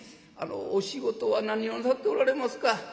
お仕事は何をなさっておられますか？」。